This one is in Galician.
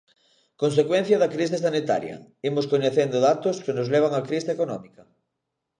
Consecuencia da crise sanitaria, imos coñecendo datos que nos levan á crise económica.